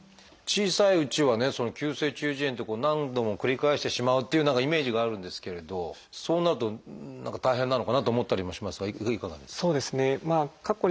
小さいうちはね急性中耳炎って何度も繰り返してしまうっていうイメージがあるんですけれどそうなると何か大変なのかなと思ったりもしますがいかがですか？